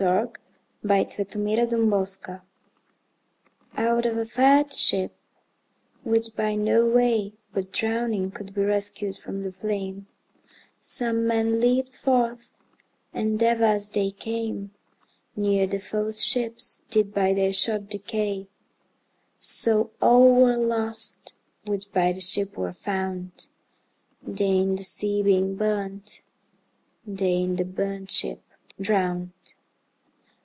202919A Burnt ShipJohn Donne Out of a fired ship, which, by no way But drowning, could be rescued from the flame, Some men leap'd forth, and ever as they came Neere the foes ships, did by their shot decay; So all were lost, which in the ship were found, They in the sea being burnt, they in the burnt ship drown'd.